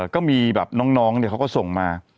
ก็มีแบบน้องเขาก็ส่งมา